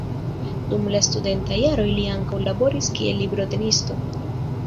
Dum la studentaj jaroj li ankaŭ laboris kiel librotenisto.